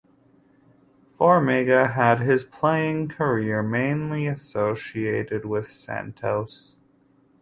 Formiga had his playing career mainly associated with Santos.